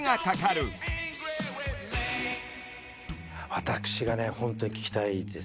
「私がねホントに聞きたいです」